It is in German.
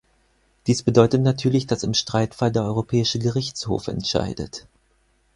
Dies bedeutet natürlich, dass im Streitfall der Europäische Gerichtshof entscheidet.